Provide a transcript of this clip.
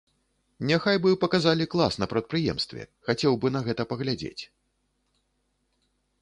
Няхай бы паказалі клас на прадпрыемстве, хацеў бы на гэта паглядзець.